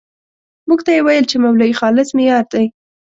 موږ ته یې ويل چې مولوي خالص مې يار دی.